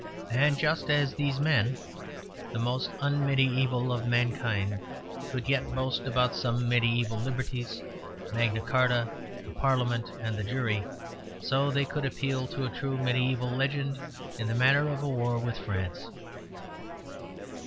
And just as these men, the most unmediæval of mankind, could yet boast about some mediæval liberties, Magna Carta, the Parliament and the Jury, so they could appeal to a true mediæval legend in the matter of a war with France.